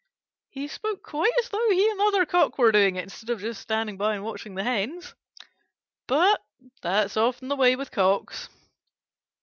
He spoke quite as though he and the other Cock were doing it, instead of just standing by and watching the Hens. But that is often the way with Cocks.